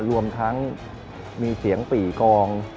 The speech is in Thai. รวมทั้งมีเสียงปี่กอง